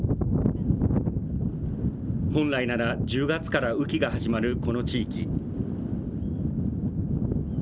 本来なら、１０月から雨季が始まるこの地域。